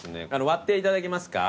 割っていただけますか？